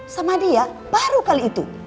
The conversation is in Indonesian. sama dia baru kali itu